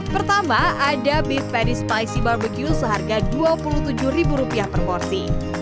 pertama ada beef patry spicy barbecue seharga dua puluh tujuh ribu rupiah per porsi